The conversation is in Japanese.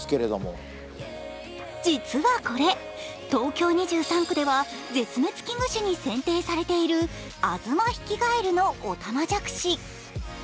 実はこれ、東京２３区では絶滅危惧種に選定されているアズマヒキガエルのおたまじゃくし。